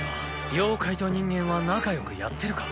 妖怪と人間は仲よくやってるか？